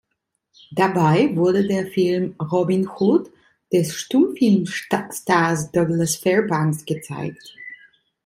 Dabei wurde der Film "Robin Hood" des Stummfilm-Stars Douglas Fairbanks gezeigt.